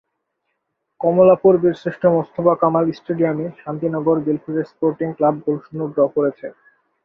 কমলাপুর বীরশ্রেষ্ঠ মোস্তফা কামাল স্টেডিয়ামে শান্তিনগর-দিলখুশা sporting club গোলশূন্য draw করেছে।